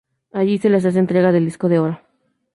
Allí se les hace entrega del disco de oro.